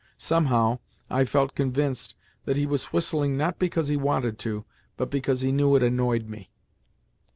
Somehow, I felt convinced that he was whistling not because he wanted to, but because he knew it annoyed me.